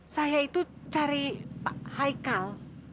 saya itu cari pak haikal